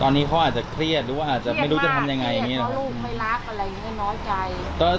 ตอนนี้เขาอาจจะเครียดหรือว่าอาจจะไม่รู้จะทำยังไงอย่างนี้หรอลูกไม่รักอะไรอย่างนี้น้อยใจ